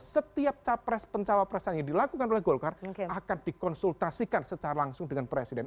setiap capres pencawapres yang dilakukan oleh golkar akan dikonsultasikan secara langsung dengan presiden